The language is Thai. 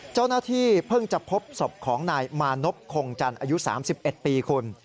เจ้าหน้าที่เพิ่งจะพบศพของนายมานพคงจันทร์อายุ๓๑ปีคุณ